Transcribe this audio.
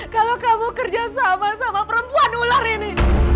kalau kamu kerja sama sama perempuan ular ini